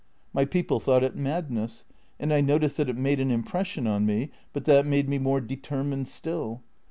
My people thought it madness, and I noticed that it made an impression on me, but that made me more determined still.